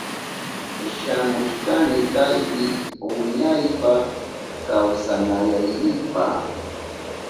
Shamushkani kaypi wiñaypa kawsanaynipa.